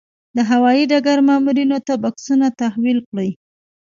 د هوايي ډګر مامورینو ته بکسونه تحویل کړي.